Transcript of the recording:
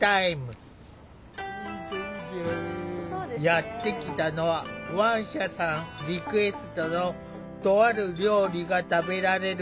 やって来たのはワンシャさんリクエストのとある料理が食べられる場所。